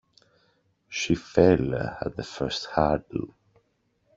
She fell at the first hurdle.